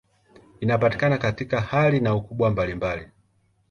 Inapatikana katika hali na ukubwa mbalimbali.